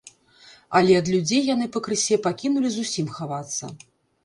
Але ад людзей яны пакрысе пакінулі зусім хавацца.